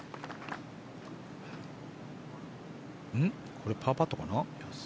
これはパーパットかな？